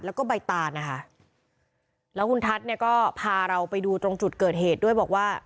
แล้วก็ใบตานนะคะแล้วคุณทัศน์เนี่ยก็พาเราไปดูตรงจุดเกิดเหตุด้วยบอกว่า